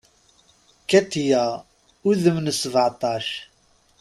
Katiya, udem n sbeɛtac.